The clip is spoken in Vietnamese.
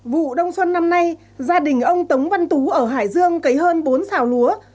vụ đông xuân năm nay gia đình ông tống văn tú ở hải dương cấy hơn bốn xào lúa